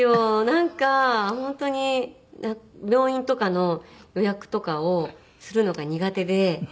なんか本当に病院とかの予約とかをするのが苦手で。